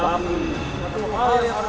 bapak dua orang seorang